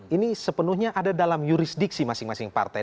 ini sepenuhnya ada dalam jurisdiksi masing masing partai